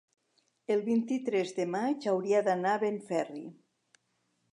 El vint-i-tres de maig hauria d'anar a Benferri.